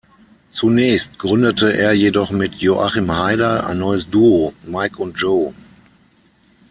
Zunächst gründete er jedoch mit Joachim Heider ein neues Duo, „Mike und Joe“.